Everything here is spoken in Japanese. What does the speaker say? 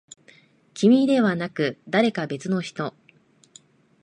君ではなく、誰か別の人。